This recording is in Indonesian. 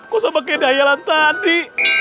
kau sama kayak dahilan tadi